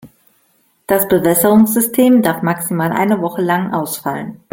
Das Bewässerungssystem darf maximal eine Woche lang ausfallen.